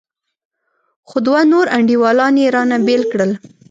خو دوه نور انډيوالان يې رانه بېل کړل.